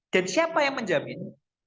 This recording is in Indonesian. dan siapa yang menjamin